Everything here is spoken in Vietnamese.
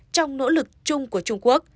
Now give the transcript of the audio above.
trong nỗ lực chung của trung quốc